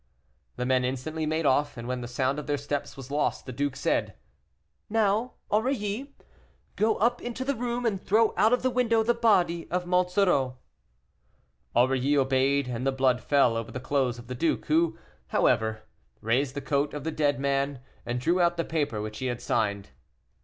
The men instantly made off, and when the sound of their steps was lost, the duke said, "Now, Aurilly, go up into the room and throw out of the window the body of Monsoreau." Aurilly obeyed, and the blood fell over the clothes of the duke, who, however, raised the coat of the dead man, and drew out the paper which he had signed.